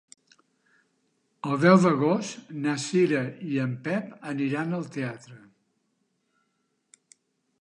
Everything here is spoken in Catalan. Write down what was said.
El deu d'agost na Cira i en Pep aniran al teatre.